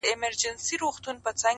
باز به بيرته بيزو وان ځان ته پيدا كړ،